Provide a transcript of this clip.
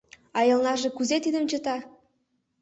А элнаже кузе тидым чыта?